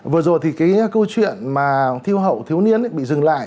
vừa rồi thì cái câu chuyện mà thiêu hậu thiếu niên bị dừng lại